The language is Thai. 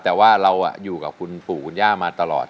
แต่ว่าเราอยู่กับคุณปู่คุณย่ามาตลอด